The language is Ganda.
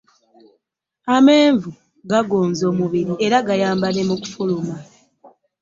Amenvu gagonza omubiri era gayamba ne mu kufuluma.